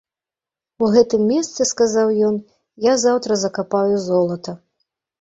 У гэтым месцы, сказаў ён, я заўтра закапаю золата.